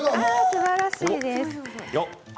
すばらしいです。